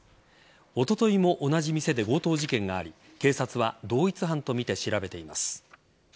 おとといも同じ店で強盗事件があり警察は同一犯とみて調べています。